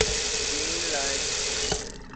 green land